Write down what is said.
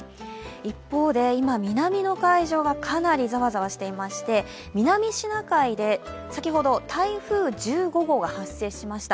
一方で今、南の海上はかなりザワザワしていまして南シナ海で先ほど台風１５号が発生しました。